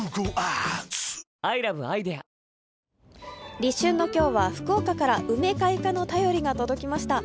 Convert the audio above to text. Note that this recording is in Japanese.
立春の今日は福岡から梅開花の便りが届きました。